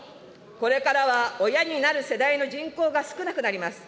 これからは親になる世代の人口が少なくなります。